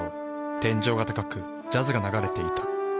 天井が高くジャズが流れていた。